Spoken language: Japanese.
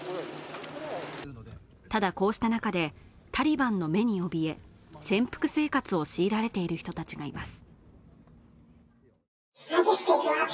ただこうした中でタリバンの目におびえ潜伏生活を強いられている人達がいます